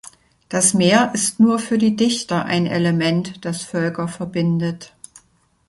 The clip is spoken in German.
Das Meer ist nur für die Dichter ein Element, das Völker verbindet.